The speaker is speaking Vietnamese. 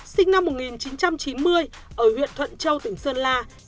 sinh năm một nghìn chín trăm chín mươi ở huyện thuận châu tỉnh sơn la